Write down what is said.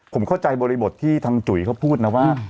ผมเข้าใจบริบทที่ทางจุ๋ยเขาพูดนะว่า